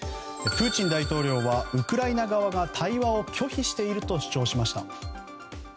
プーチン大統領はウクライナ側が対話を拒否していると主張しました。